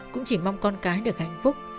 cũng chỉ mong con cái được hạnh phúc